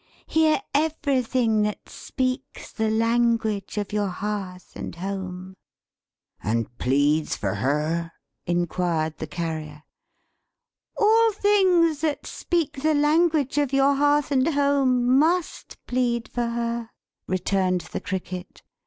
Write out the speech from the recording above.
Hear everything that speaks the language of your hearth and home!" "And pleads for her?" enquired the Carrier. "All things that speak the language of your hearth and home, must plead for her!" returned the Cricket.